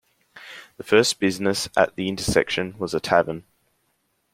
The first business at the intersection was a tavern.